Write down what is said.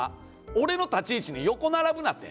俺の立ち位置に横並ぶなて。